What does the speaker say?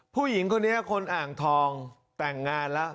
ผู้หญิงคนนี้คนอ่างทองแต่งงานแล้ว